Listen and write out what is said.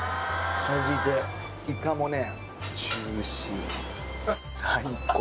それでいてイカもねジューシー最高